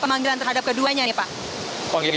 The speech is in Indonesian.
ada pemanggilan terhadap keduanya nih pak setia novanto